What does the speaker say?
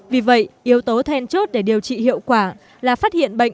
vì vậy yếu tố then chốt để điều trị hiệu quả là phát hiện bệnh